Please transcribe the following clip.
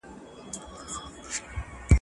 یو څه له پاسه یو څه له ځانه..